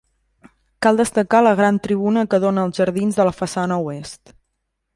Cal destacar la gran tribuna que dóna als jardins de la façana oest.